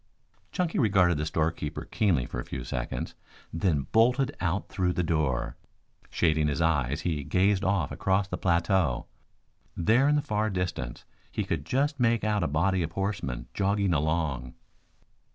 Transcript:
Chunky regarded the storekeeper keenly for a few seconds, then bolted out through the door. Shading his eyes he gazed off across the plateau. There in the far distance he could just make out a body of horsemen jogging along.